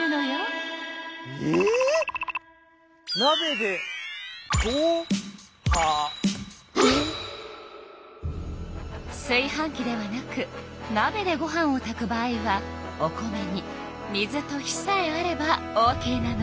なべですい飯器ではなくなべでご飯を炊く場合はお米に水と火さえあればオーケーなの。